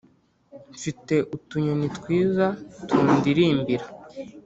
mfite utunyoni twiza tundirimbira